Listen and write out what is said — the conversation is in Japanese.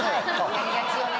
やりがちよね。